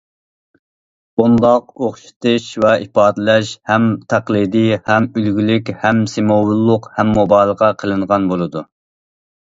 بۇنداق ئوخشىتىش ۋە ئىپادىلەش ھەم تەقلىدىي، ھەم ئۈلگىلىك ھەم سىمۋوللۇق، ھەم مۇبالىغە قىلىنغان بولىدۇ.